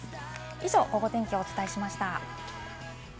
以上、ゴゴ天気をお伝えしました。